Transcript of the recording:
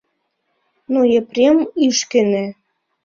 Но Епрем ыш кӧнӧ.